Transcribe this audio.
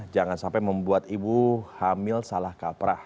jangan sampai membuat ibu hamil salah kaprah